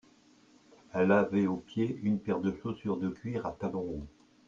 Elle avait aux pieds une paire de chaussures de cuir à talons hauts.